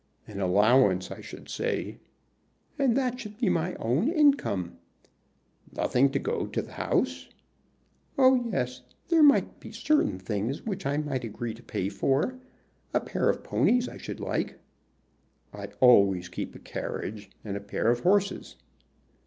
"An allowance, I should say." "And that should be my own income." "Nothing to go to the house?" "Oh yes. There might be certain things which I might agree to pay for. A pair of ponies I should like." "I always keep a carriage and a pair of horses."